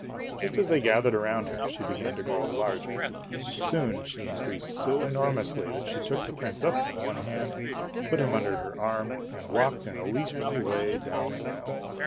Just as they gathered around her, she began to grow larger. Soon she increased so enormously that she took the prince up in one hand, put him under her arm, and walked in a leisurely way down the aisle.